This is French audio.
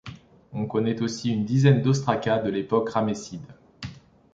On connaît aussi une dizaine d'ostraca de l'époque ramesside.